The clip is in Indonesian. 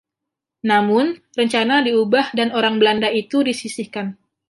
Namun, rencana diubah dan orang Belanda itu disishkan.